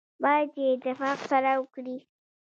باید چې اتفاق سره وکړي.